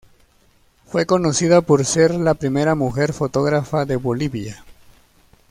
Fue conocida por ser la primera mujer fotógrafa de Bolivia.